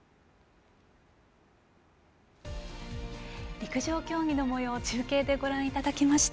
陸上競技のもよう中継でご覧いただきました。